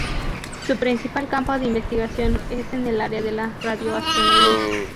Su principal campo de investigación es en el área de la radioastronomía.